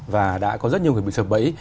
và đã có rất nhiều người bị sợ bẫy